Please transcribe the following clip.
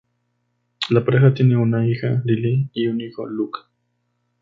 La pareja tiene una hija, Lily, y un hijo, Luke.